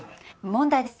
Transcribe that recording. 問題です。